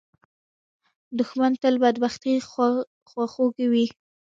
دښمن تل د بدبختۍ خواخوږی وي